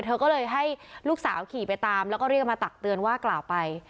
เธอก็เลยให้ลูกสาวขี่ไปตามแล้วก็เรียกมาตักเตือนว่ากล่าวไป